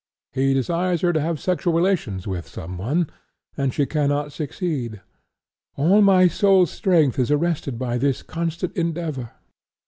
He desires her to have sexual relations with someone, and she cannot succeed; 'all my soul's strength is arrested by this constant endeavor.'